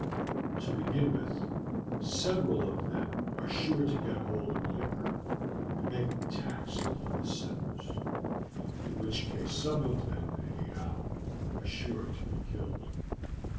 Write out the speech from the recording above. To begin with, several of them are sure to get hold of liquor and make attacks upon the settlers, in which case some of them, anyhow, are sure to get killed.